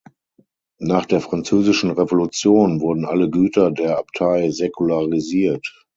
Nach der Französischen Revolution wurden alle Güter der Abtei säkularisiert.